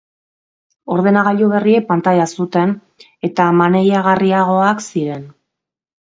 Ordenagailu berriek pantaila zuten, eta maneiagarriagoak ziren.